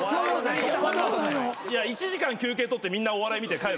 １時間休憩取ってみんなお笑い見て帰る。